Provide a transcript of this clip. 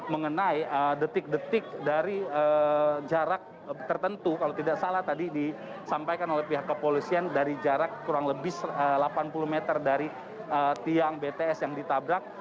mengenai detik detik dari jarak tertentu kalau tidak salah tadi disampaikan oleh pihak kepolisian dari jarak kurang lebih delapan puluh meter dari tiang bts yang ditabrak